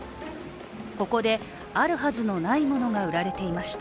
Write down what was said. ここで、あるはずのないものが売られていました。